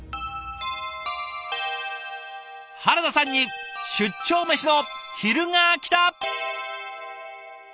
原田さんに出張メシの昼がきた！